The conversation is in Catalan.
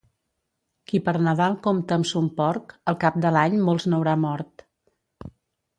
Qui per Nadal compta amb son porc, al cap de l'any molts n'haurà mort.